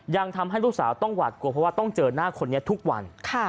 ยังทำให้ลูกสาวต้องหวาดกลัวเพราะว่าต้องเจอหน้าคนนี้ทุกวัน